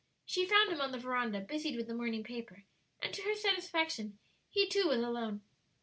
She found him on the veranda, busied with the morning paper, and to her satisfaction, he too was alone.